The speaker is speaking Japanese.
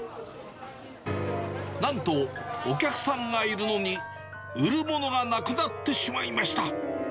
なんと、お客さんがいるのに売るものがなくなってしまいました。